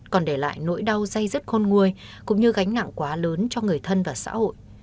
còn để lại nỗi đau dây dứt khôn nguôi cũng như gánh nặng quá lớn cho người thân và xã hội